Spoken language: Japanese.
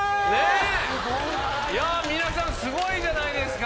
皆さんすごいじゃないですか！